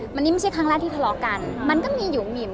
มันนี่ไม่ใช่ครั้งแรกที่ทะเลาะกันมันก็มีอยู่หมิม